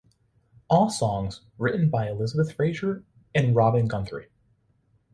All songs written by Elizabeth Fraser and Robin Guthrie.